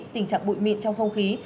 tình trạng bụi mịn trong không khí